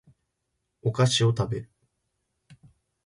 お菓子を食べる